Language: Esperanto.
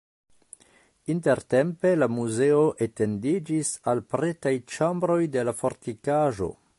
Intertempe la muzeo etendiĝis al pretaj ĉambroj de la fortikaĵo.